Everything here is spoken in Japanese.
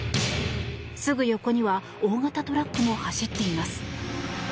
すぐ横には大型トラックも走っています。